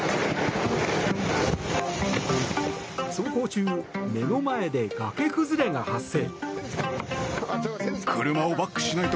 走行中、目の前で崖崩れが発生。